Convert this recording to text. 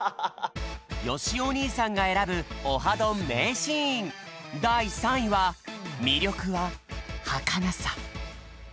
よしお兄さんが選ぶ「オハどん！」名シーンだい３位は「みりょくははかなさ」。